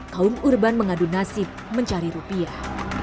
kaum urban mengadu nasib mencari rupiah